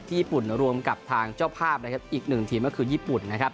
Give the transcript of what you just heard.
ญี่ปุ่นรวมกับทางเจ้าภาพนะครับอีกหนึ่งทีมก็คือญี่ปุ่นนะครับ